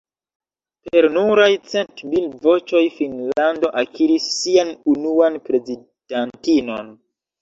Per nuraj cent mil voĉoj Finnlando akiris sian unuan prezidantinon.